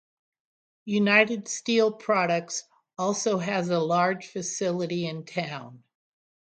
United Steel Products also has a large facility in town.